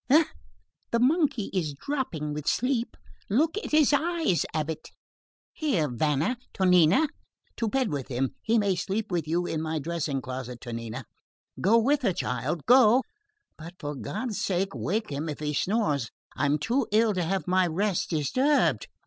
Eh! the monkey is dropping with sleep. Look at his eyes, abate! Here, Vanna, Tonina, to bed with him; he may sleep with you in my dressing closet, Tonina. Go with her, child, go; but for God's sake wake him if he snores. I'm too ill to have my rest disturbed."